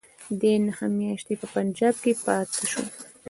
دی نهه میاشتې په پنجاب کې پاته شو.